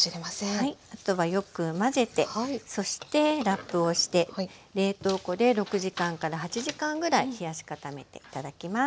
あとはよく混ぜてそしてラップをして冷凍庫で６時間から８時間ぐらい冷やし固めて頂きます。